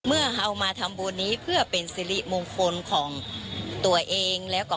ลับไปทำบุญความสะอาดดีให้ไม่ตามเวลา